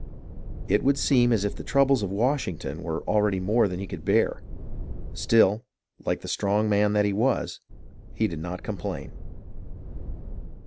It would seem as if the troubles of Washington were already more than he could bear. Still, like the strong man that he was, he did not complain.